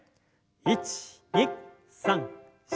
１２３４。